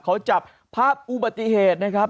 เขาจับภาพอุบัติเหตุนะครับ